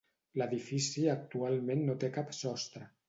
L'edifici actualment no té cap sostre.